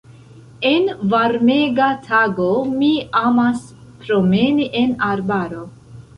En varmega tago mi amas promeni en arbaro.